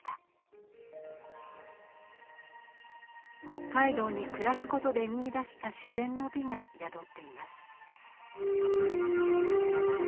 北海道に暮らすことで見いだした自然の美が宿っています。